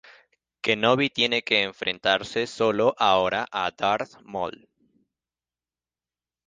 Kenobi tiene que enfrentarse solo ahora a Darth Maul.